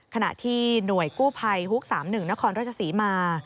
ขณะที่หน่วยกู้ภัยฮุก๓๑นครราชศรีมา